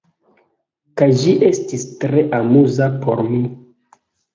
Kaj ĝi estis tre amuza por mi.